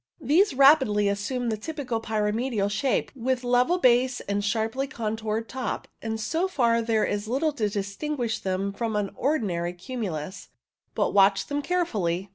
These rapidly assume the typical pyramidal shape, with level base and sharply contoured top, and so far there is little to distinguish them from an ordinary cumulus (see Plate 48). But watch them carefully.